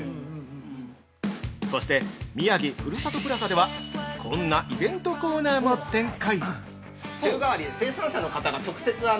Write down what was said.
◆そして宮城ふるさとプラザでは、こんなイベントコーナーも展開！